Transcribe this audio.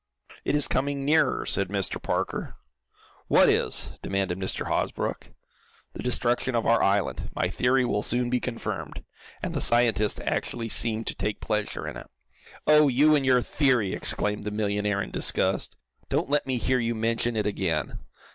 "It is coming nearer," said Mr. Parker. "What is?" demanded Mr. Hosbrook. "The destruction of our island. My theory will soon be confirmed," and the scientist actually seemed to take pleasure in it. "Oh, you and your theory!" exclaimed the millionaire in disgust. "Don't let me hear you mention it again!